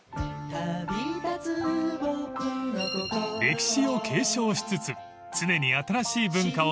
［歴史を継承しつつ常に新しい文化を取り入れ